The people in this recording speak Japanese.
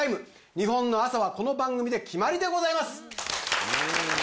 日本の朝はこの番組で決まりでございます